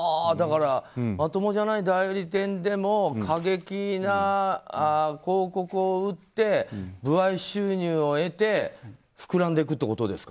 まともじゃない代理店でも過激な広告を打って歩合収入を得て膨らんでいくってことですか。